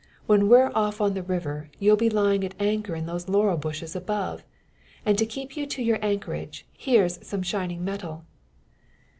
When we're off on the river, you'll be lying at anchor in those laurel bushes above. And to keep you to your anchorage, here's some shining metal."